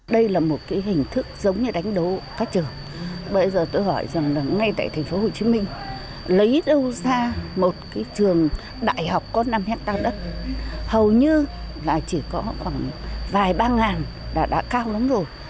đây là một hình thức giống như đánh đấu các trường bây giờ tôi hỏi rằng ngay tại tp hcm lấy đâu ra một trường đại học có năm hectare đất hầu như chỉ có vài ba ngàn đã cao lắm rồi